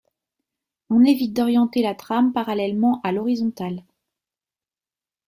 On évite d'orienter la trame parallèlement à l'horizontale.